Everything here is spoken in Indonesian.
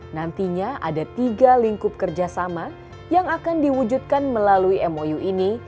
nantinya ada tiga lingkup kerjasama yang akan diwujudkan melalui mou ini